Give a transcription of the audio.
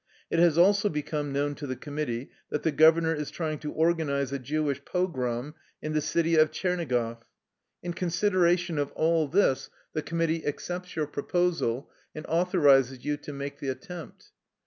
It has also become known to the committee that the governor is trying to or ganize a Jewish pogrom in the city of Tcherni goff. In consideration of all this the committee 138 THE LIFE STORY OF A RUSSIAN EXILE accepts your proposal, and authorizes you to make the attempt."